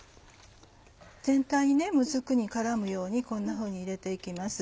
全体にもずくに絡むようにこんなふうに入れて行きます。